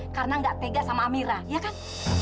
karena gak tega sama amirah iya kan